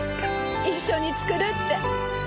一緒に作るって。